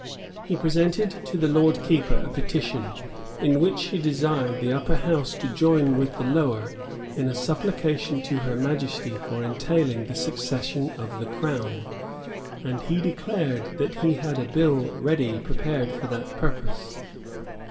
He presented to the lord keeper a petition, in which he desired the upper house to join with the lower in a supplication to her majesty for entailing the succession of the crown; and he declared that he had a bill ready prepared for that purpose.